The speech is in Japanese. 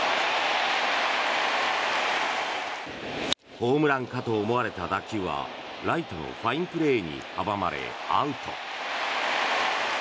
ホームランかと思われた打球はライトのファインプレーに阻まれアウト。